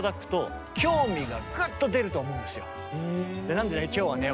なのでね今日はね